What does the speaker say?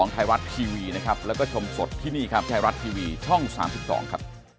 สดที่นี่ครับแคลรัตท์ทีวีช่อง๓๒ครับ